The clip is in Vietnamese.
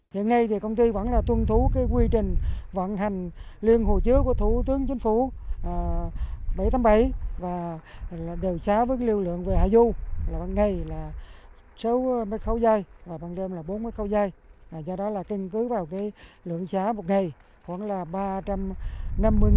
hiện nay thì công ty vẫn là tuân thú cái quy trình vận hành liên hồ chứa của thủ tướng chính phủ bảy tháng bảy và đều xá với lưu lượng về hải dâu